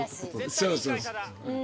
そうそう。